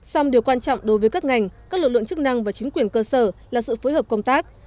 song điều quan trọng đối với các ngành các lực lượng chức năng và chính quyền cơ sở là sự phối hợp công tác